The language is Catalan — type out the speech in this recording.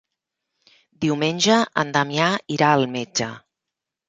Diumenge en Damià irà al metge.